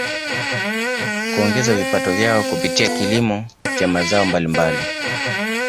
Kuongeza vipato vyao kupitia kilimo cha mazao mbalimbali